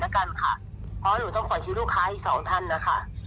แล้วกันค่ะเพราะหนูต้องขอซื้อลูกค้าอีกสองท่านนะคะ